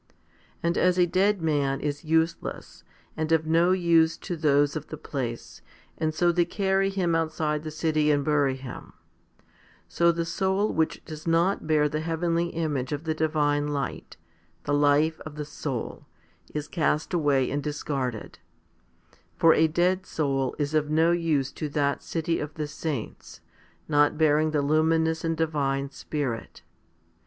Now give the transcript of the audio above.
And as a dead man is useless, and of no use to those of the place, and so they carry him outside the city and bury him, so the soul which does not bear the heavenly image of the divine light, the life of the soul, is cast away and discarded ; for a dead soul is of no use to that city of the saints, not bearing the luminous and Divine Spirit.